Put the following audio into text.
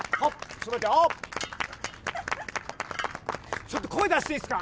ちょっと声出していいっすか？